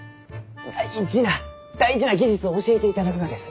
大事な大事な技術を教えていただくがです。